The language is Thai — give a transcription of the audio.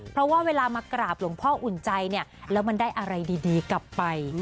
เพราะว่าเวลามากราบหลวงพ่ออุ่นใจเนี่ยแล้วมันได้อะไรดีกลับไป